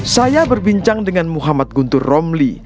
saya berbincang dengan muhammad guntur romli